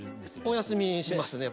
お休みしますね。